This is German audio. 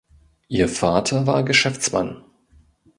Ihr Vater war Geschäftsmann.